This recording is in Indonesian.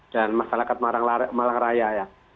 dan masyarakat malang raya ya